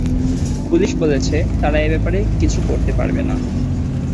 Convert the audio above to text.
Police বলছে তারা এ ব্যাপারে কিছু করতে পারবে না।